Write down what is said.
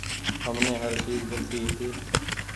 همني هر چئيز ملتي هيتي۔